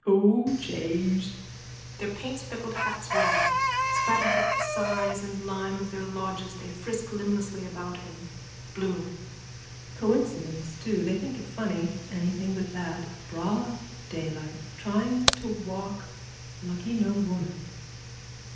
_ O jays! (Their paintspeckled hats wag. Spattered with size and lime of their lodges they frisk limblessly about him.) BLOOM: Coincidence too. They think it funny. Anything but that. Broad daylight. Trying to walk. Lucky no woman.